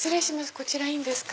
こちらいいですか。